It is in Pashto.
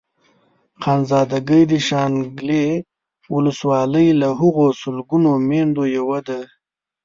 خانزادګۍ د شانګلې ولسوالۍ له هغو سلګونو ميندو يوه ده.